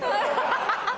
ハハハ！